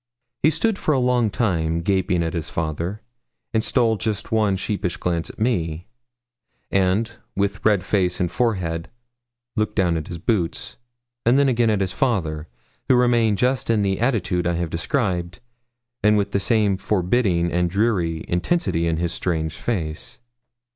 He stood for a long time gaping at his father, and stole just one sheepish glance at me; and, with red face and forehead, looked down at his boots, and then again at his father, who remained just in the attitude I have described, and with the same forbidding and dreary intensity in his strange face.